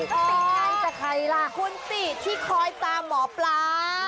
ติดใจจากใครล่ะครับคุณติดที่คอยตามหมอปรา